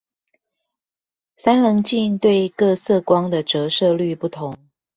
三稜鏡對各色光的折射率不同